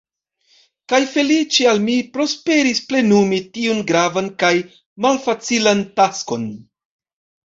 Kaj feliĉe al mi prosperis plenumi tiun gravan kaj malfacilan taskon.